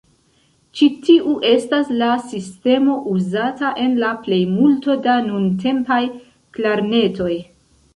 Ĉi tiu estas la sistemo uzata en la plejmulto da nuntempaj klarnetoj.